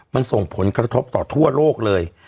มันส่งผลกระทบต่อทั่วโลกเลย